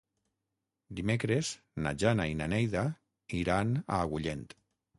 Dimecres na Jana i na Neida iran a Agullent.